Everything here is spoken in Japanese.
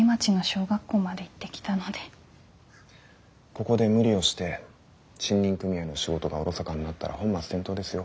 ここで無理をして森林組合の仕事がおろそかになったら本末転倒ですよ。